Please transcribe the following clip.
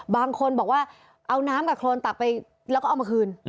บางคนบอกว่าเอาน้ำกับโครนตักไปแล้วก็เอามาคืน